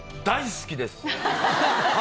大好きです！